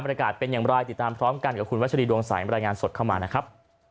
ริกาเป็นอย่างไรติดตามพร้อมกันกับคุณวัชรีดวงสายบรรยายงานสดเข้ามานะครับ